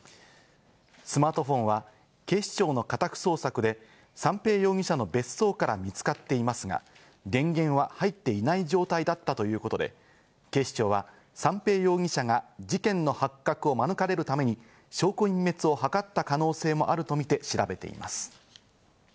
スマートフォンは警視庁の家宅捜索で三瓶容疑者の別荘から見つかっていますが、電源は入っていない状態だったということで警視庁は三瓶容疑者が事件の発覚を免れるために証拠隠滅を図った可能性もあるとみて調べています。